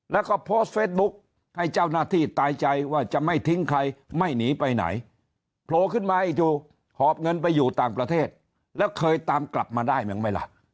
แล้วก็โพสต์เฟสบุ๊คให้เจ้าหน้าที่ตายใจว่าจะไม่ทิ้งใครไม่หนีไปไหนโผล่ขึ้นมาอีกจู่หอบเงินไปอยู่ต่างประเทศแล้วเคยตามกลับมาได้มั้งไหมล่ะ